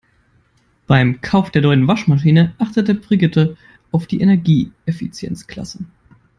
Beim Kauf der neuen Waschmaschine achtete Brigitte auf die Energieeffizienzklasse.